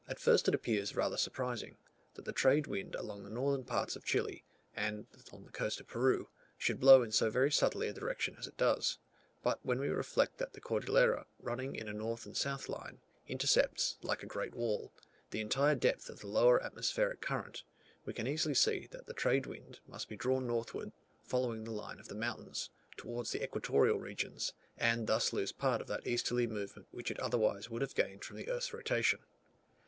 At first it appears rather surprising, that the trade wind along the northern parts of Chile and on the coast of Peru, should blow in so very southerly a direction as it does; but when we reflect that the Cordillera, running in a north and south line, intercepts, like a great wall, the entire depth of the lower atmospheric current, we can easily see that the trade wind must be drawn northward, following the line of mountains, towards the equatorial regions, and thus lose part of that easterly movement which it otherwise would have gained from the earth's rotation.